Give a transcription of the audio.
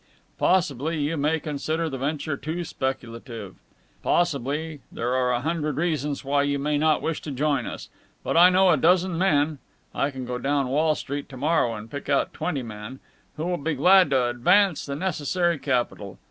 Possibly you may consider the venture too speculative. Possibly ... there are a hundred reasons why you may not wish to join us. But I know a dozen men I can go down Wall Street to morrow and pick out twenty men who will be glad to advance the necessary capital.